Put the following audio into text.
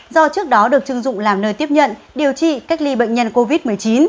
do trước đó được chưng dụng làm nơi tiếp nhận điều trị cách ly bệnh nhân covid một mươi chín